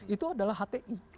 itu adalah hti